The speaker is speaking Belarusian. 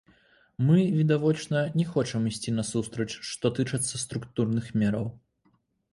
Мы, відавочна, не хочам ісці насустрач, што тычыцца структурных мераў.